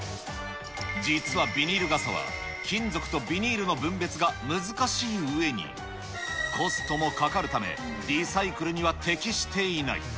実はビニール傘は、金属とビニールの分別が難しいうえに、コストもかかるため、リサイクルには適していない。